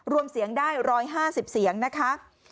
รวมเสียงได้๑๕๐เสียงนะคะ